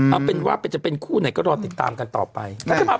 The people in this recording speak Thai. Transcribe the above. เอาเป็นว่าจะเป็นคู่ไหนก็รอติดตามกันต่อไป